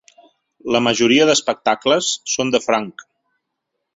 La majoria d’espectacles són de franc.